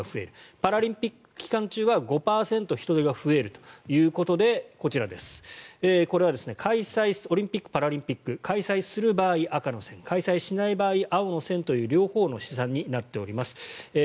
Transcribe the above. パラリンピック期間中は５％、人出が増えるということでこちら、これはオリンピック・パラリンピックを開催する場合、赤の線開催しない場合、青の線という両方の試算になっています。